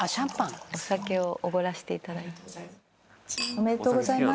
おめでとうございます。